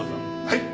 はい。